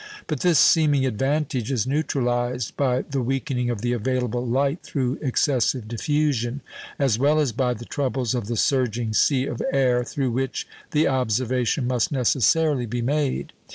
But this seeming advantage is neutralised by the weakening of the available light through excessive diffusion, as well as by the troubles of the surging sea of air through which the observation must necessarily be made.